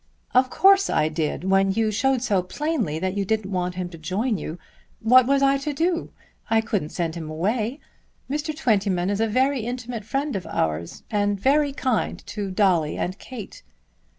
"Of course I did when you showed so plainly that you didn't want him to join you. What was I to do? I couldn't send him away. Mr. Twentyman is a very intimate friend of ours, and very kind to Dolly and Kate."